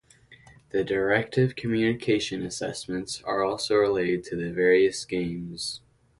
The Directive Communication assessments are also related to the various games.